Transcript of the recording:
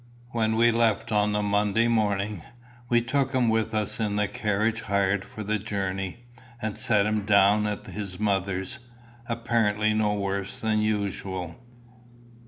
When we left on the Monday morning, we took him with us in the carriage hired for the journey, and set him down at his mother's, apparently no worse than usual.